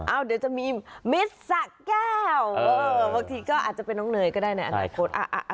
เดี๋ยวจะมีมิตรสะแก้วบางทีก็อาจจะเป็นน้องเนยก็ได้ในอนาคต